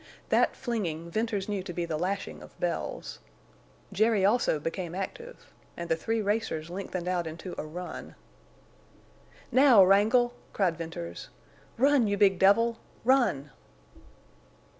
That flinging Venters knew to be the lashing of Bells. Jerry also became active. And the three racers lengthened out into a run. "Now, Wrangle!" cried Venters. "Run, you big devil! Run!"